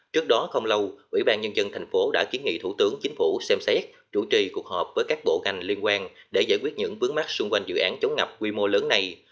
trước đó không lâu ủy ban nhân dân thành phố đã kiến nghị thủ tướng chính phủ xem xét chủ trì cuộc họp với các bộ ngành liên quan để giải quyết những vướng mắt xung quanh dự án chống ngập quy mô lớn này